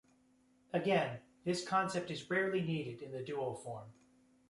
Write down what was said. Again, this concept is rarely needed in the dual form.